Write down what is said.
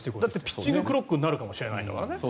ピッチングクロックになるかもしれないから。